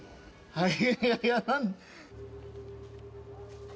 はい。